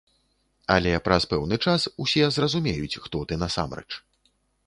Але праз пэўны час усе зразумеюць, хто ты насамрэч.